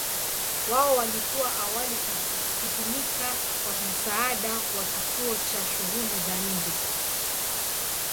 Wao walikuwa awali kutumika kwa msaada wa kituo cha shughuli za nje.